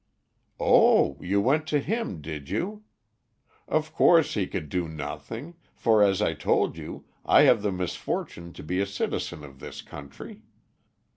"Oh, you went to him, did you? Of course he could do nothing, for, as I told you, I have the misfortune to be a citizen of this country.